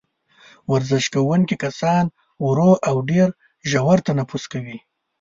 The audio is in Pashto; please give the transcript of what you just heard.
ورزش کوونکي کسان ورو او ډېر ژور تنفس کوي.